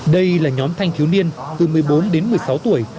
đây là nhóm thanh thiếu niên từ một mươi bốn đến một mươi sáu tuổi